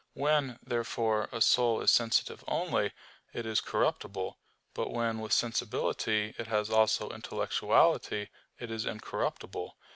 When, therefore, a soul is sensitive only, it is corruptible; but when with sensibility it has also intellectuality, it is incorruptible.